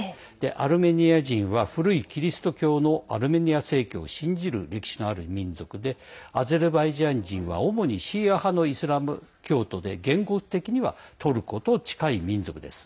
アルメニア人は古いキリスト教のアルメニア正教を信じる歴史のある民族でアゼルバイジャン人は主にシーア派のイスラム教徒で言語的にはトルコと近い民族です。